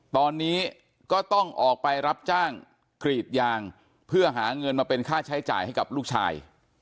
ตอนนี้ก็ต้องออกไปรับจ้างกรีดยางเพื่อหาเงินมาเป็นค่าใช้จ่ายให้กับลูกชาย